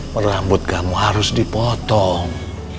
perambut kamu harus dipotong